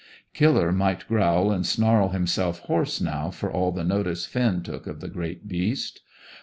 Killer might growl and snarl himself hoarse now for all the notice Finn took of the great beast.